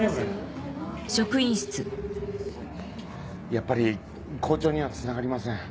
やっぱり校長にはつながりません。